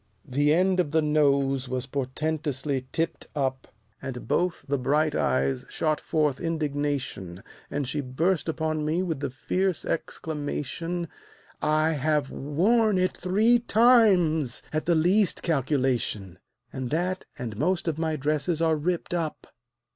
The end of the nose was portentously tipped up And both the bright eyes shot forth indignation, As she burst upon me with the fierce exclamation, "I have worn it three times, at the least calculation, And that and most of my dresses are ripped up!"